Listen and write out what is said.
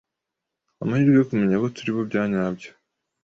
amahirwe yo kumenya abo turibo bya nyabyo